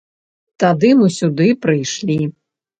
Тады мы сюды прыйшлі.